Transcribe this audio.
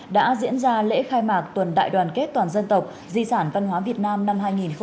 đã diễn ra lễ khai mạc tuần đại đoàn kết toàn dân tộc di sản văn hóa việt nam năm hai nghìn một mươi chín